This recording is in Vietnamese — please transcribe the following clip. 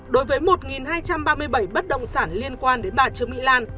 đối với một hai trăm ba mươi bảy bất động sản liên quan đến bà trương mỹ lan